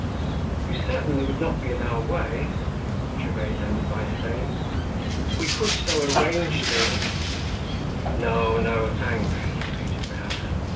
"You would certainly not be in our way," Gervaise ended by saying. "We could so arrange things—" "No, no, thanks," repeated the hatter.